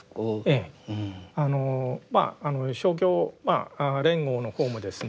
あのまあ勝共連合の方もですね